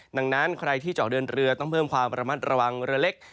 ดังนั้นใครที่เจาะเดินเรือต้องเพิ่มความระมัดระวังเรือเล็ก